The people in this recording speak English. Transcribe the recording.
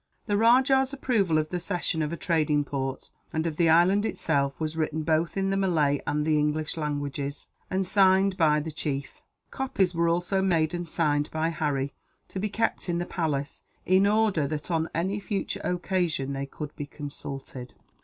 The rajah's approval of the cession of a trading port, and of the island itself, was written both in the Malay and the English languages, and signed by the chief. Copies were also made and signed, by Harry, to be kept in the palace, in order that on any future occasion they could be consulted.